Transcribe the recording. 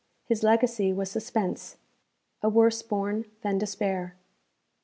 His legacy was suspense a worse born than despair.